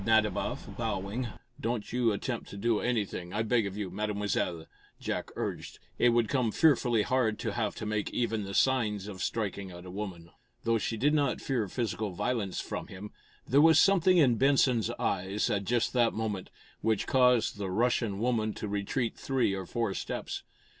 Nadiboff, bowing. "Don't you attempt to do anything, I beg of you, Mademoiselle," Jack urged. "It would come fearfully hard to have to make even the signs of striking at a woman." Though she did not fear physical violence from him, there was something in Benson's eyes, at just that moment, which caused the Russian woman to retreat three or four steps.